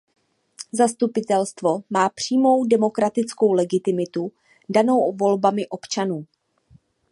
Zastupitelstvo má přímou demokratickou legitimitu danou volbami občanů.